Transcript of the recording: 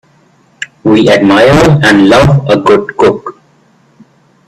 We admire and love a good cook.